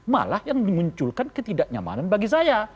malah yang memunculkan ketidaknyamanan bagi saya